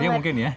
dia mungkin ya